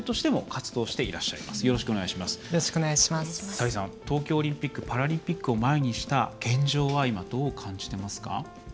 サリーさん、東京オリンピック・パラリンピックを前にした現状は今、どう感じてますか？